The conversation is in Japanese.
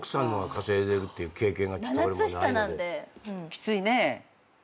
きついか。